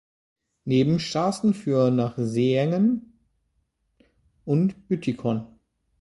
Nebenstrassen führen nach Seengen und Büttikon.